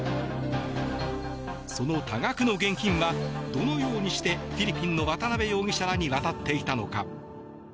その多額の現金はどのようにしてフィリピンの渡邉容疑者らに渡っていたのか。